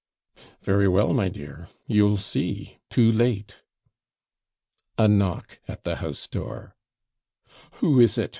'Very well, my dear; you'll see too late.' A knock at the house door. 'Who is it?